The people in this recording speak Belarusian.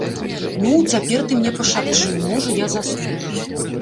Ну, цяпер ты мне пашапчы, можа, я засну.